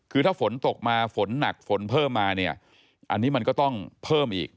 คือถ้าฝนตกมาฝนหนักฝนเพิ่มมาเนี่ยอันนี้มันก็ต้องเพิ่มอีก